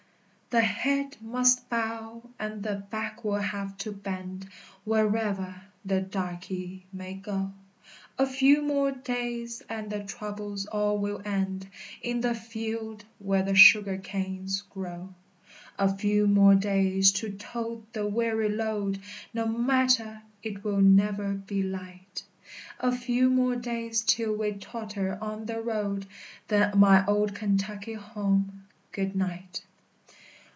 The head must bow, and the back will have to bend, Wherever the darkey may go; A few more days, and the troubles all will end, In the field where the sugar canes grow; A few more days to tote the weary load, No matter, it will never be light; A few more days till we totter on the road, Then, my old Kentucky home, good night!